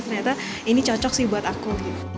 ternyata ini cocok sih buat aku